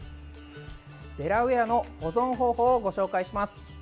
デラウエアの保存方法をご紹介します。